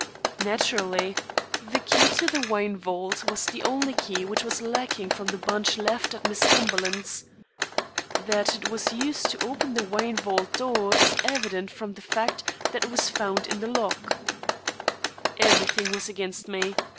"Naturally. The key to the wine vault was the only key which was lacking from the bunch left at Miss Cumberland's. That it was used to open the wine vault door is evident from the fact that it was found in the lock." This was discouraging. Everything was against me.